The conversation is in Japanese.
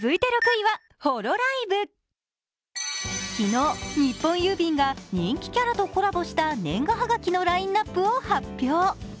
昨日、日本郵便が人気キャラとコラボした年賀はがきのラインナップを発表。